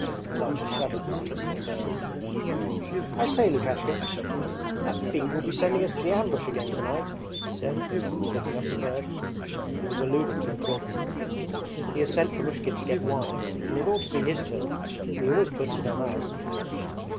Nazarka shuddered as he looked at the bird. 'I say, Lukashka, that fiend will be sending us to the ambush again tonight,' he said, taking up the bird. (He was alluding to the corporal.) 'He has sent Fomushkin to get wine, and it ought to be his turn. He always puts it on us.'